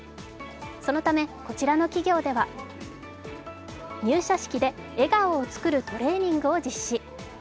そのため、こちらの企業では入社式で笑顔を作るトレーニングを実施。